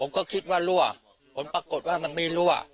ผมก็คิดว่าลั่วผมปรากฏว่ามันมีลั่ว